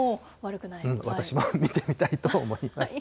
私も見てみたいと思います。